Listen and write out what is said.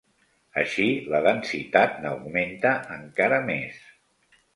Així, la densitat n'augmenta encara més.